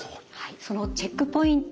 そのチェックポイント